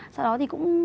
sau đó thì cũng